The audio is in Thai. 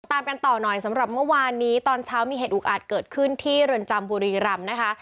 ตามกันต่อหน่อยสำหรับเมื่อวานนี้ตอนเช้ามีเหตุอุกอาจเกิดขึ้นที่เรือนจำบุรีรำนะคะ